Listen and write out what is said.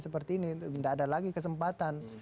seperti ini tidak ada lagi kesempatan